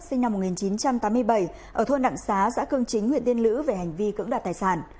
sinh năm một nghìn chín trăm tám mươi bảy ở thôn đặng xá xã cương chính huyện tiên lữ về hành vi cưỡng đoạt tài sản